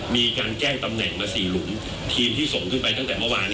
มีการแจ้งตำแหน่งมา๔หลุมทีมที่ส่งขึ้นไปตั้งแต่เมื่อวาน